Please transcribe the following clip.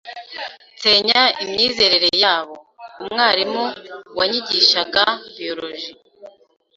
nsenya imyizerere yabo. umwalimu wanyigishaga biologie